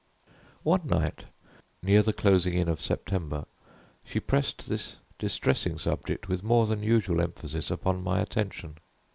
One night, near the closing in of September, she pressed this distressing subject with more than usual emphasis upon my attention.